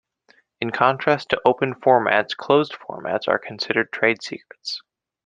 In contrast to open formats, closed formats are considered trade secrets.